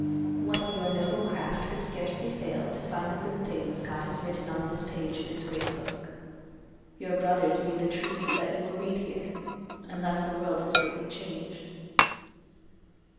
One of your noble craft could scarcely fail to find the good things God has written on this page of His great book. Your brothers need the truths that you will read here; unless the world has greatly changed."